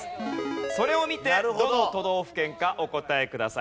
それを見てどの都道府県かお答えください。